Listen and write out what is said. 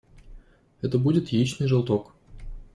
Это будет яичный желток.